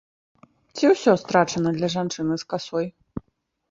Ці ўсё страчана для жанчыны з касой?